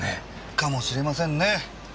かもしれませんね！